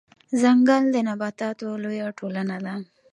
ځنګل د نباتاتو لويه ټولنه ده